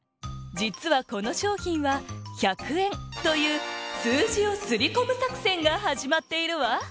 じつはこのしょうひんは１００円という数字をすりこむ作戦がはじまっているわ。